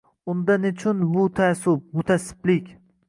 Unda nechun bu taassub, mutaassiblik?!